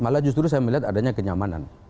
malah justru saya melihat adanya kenyamanan